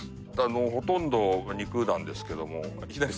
もうほとんど肉なんですけどもいきなり！